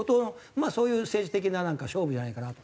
まあそういう政治的ななんか勝負じゃないかなと。